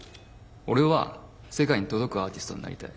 俺は世界に届くアーティストになりたい。